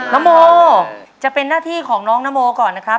นโมจะเป็นหน้าที่ของน้องนโมก่อนนะครับ